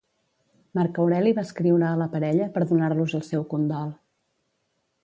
Marc Aureli va escriure a la parella per donar-los el seu condol.